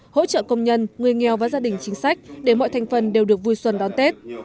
hỗ trợ công nhân người nghèo và gia đình chính sách để mọi thành phần đều được vui xuân đón tết